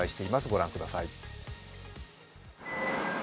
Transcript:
ご覧ください。